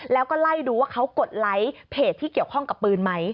แล้วก็ไล่ดูว่าเขากดไลค์เพจที่เกี่ยวข้องกับปืนไหม